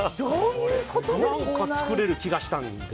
作れる気がしたんです。